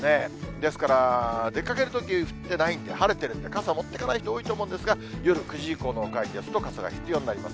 ですから、出かけるとき降ってないんで、晴れてるんで、傘持ってかない人多いと思うんですが、夜９時以降のお帰りですと、傘が必要になります。